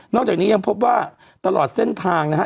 จากนี้ยังพบว่าตลอดเส้นทางนะฮะ